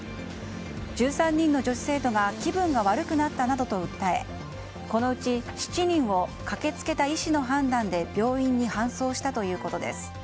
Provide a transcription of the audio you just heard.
１３人の女子生徒が気分が悪くなったなどと訴えこのうち７人を駆けつけた医師の判断で病院に搬送したということです。